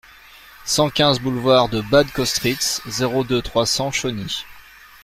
cent quinze boulevard de Bad Kostritz, zéro deux, trois cents, Chauny